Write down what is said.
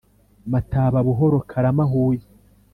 Mataba Buhoro Karama Huye